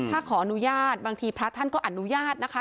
ถ้าขออนุญาตบางทีพระท่านก็อนุญาตนะคะ